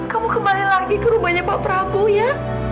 kamu kembali lagi ke rumahnya pak prabowo ya